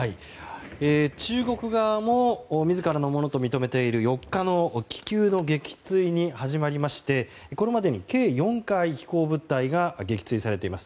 中国側も自らのものと認めている４日の気球の撃墜に始まりましてこれまでに計４回飛行物体が撃墜されています。